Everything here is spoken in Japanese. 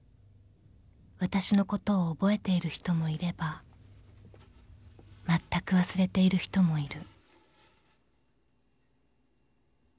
［わたしのことを覚えている人もいれば全く忘れている人もいる］